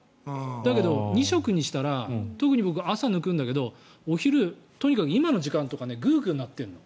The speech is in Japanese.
だけど、２食にしたら特に朝を抜くんだけどお昼、特に今の時間とかってグーグー鳴っている。